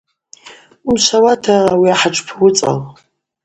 Уымшвауата ауи ахӏатшпы уыцӏал.